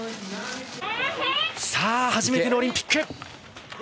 さあ、小山初めてのオリンピック。